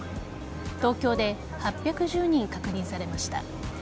東京で８１０人確認されました。